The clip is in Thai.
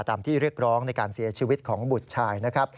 ตามที่เรียกร้องในการเสียชีวิตของบุตรชาย